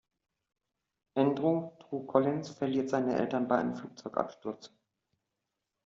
Andrew „Drew“ Collins verliert seine Eltern bei einem Flugzeugabsturz.